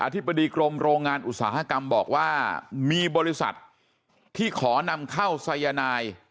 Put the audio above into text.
ธิบดีกรมโรงงานอุตสาหกรรมบอกว่ามีบริษัทที่ขอนำเข้าสายนาย